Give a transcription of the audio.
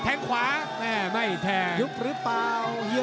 แทงคว้าไม่แทง